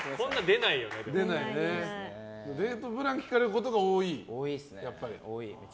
デートプラン聞かれることが多い？